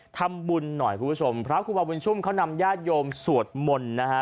ทำบุญหน่อยคุณผู้ชมพระครูบาบุญชุมเขานำญาติโยมสวดมนต์นะฮะ